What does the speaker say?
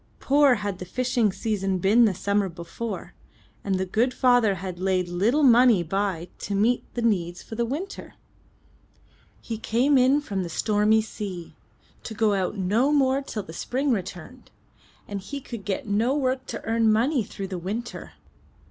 Poor had the fishing season been the summer before, and the good father had laid little money by to meet their needs for the winter. He came in from the stormy sea, to go out no more till the spring returned, and he could get no work to earn money through the winter.